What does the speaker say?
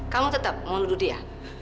kamu tetap mau nuduh dia